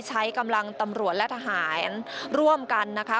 ใช้กำลังตำรวจและทหารร่วมกันนะคะ